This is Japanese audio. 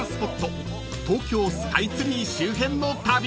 東京スカイツリー周辺の旅］